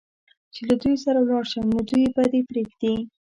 چې له دوی سره ولاړ شم، نو دوی به دې پرېږدي؟